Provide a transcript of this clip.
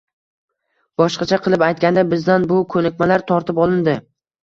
Boshqacha qilib aytganda, bizdan bu ko‘nikmalar tortib olindi